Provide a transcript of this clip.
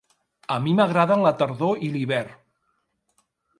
A mi m'agraden la tardor i l'hivern.